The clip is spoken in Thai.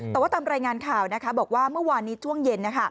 แต่ว่าตามรายงานข่าวบอกว่าเมื่อวานนี้ช่วงเย็น